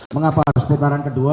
mengapa harus putaran kedua